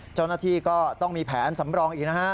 เจ้าหน้าที่ก็ต้องมีแผนสำรองอีกนะฮะ